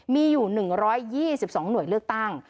มีอยู่๑๒๒หน่วยเลือกตั้ง